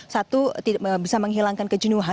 satu bisa menghilangkan kejenuhan